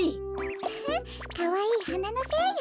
ウフッかわいいはなのせいよ。